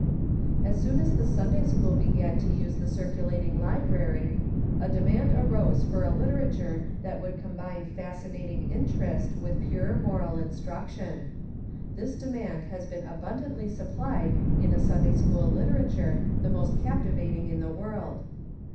As soon as the Sunday school began to use the circulating library, a de mand arose for a literature that would combine fascinating in terest Avith pure moral instruction. This demand has been abundantly supplied in a Sunday school literature the most captivating in the world.